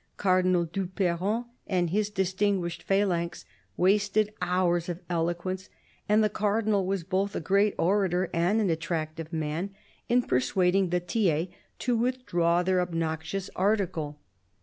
Cardinal du Perron and his distinguished phalanx wasted hours of eloquence — and the Cardinal was both a great orator and an attractive man — in persuading the Tiers to withdraw their obnoxious article.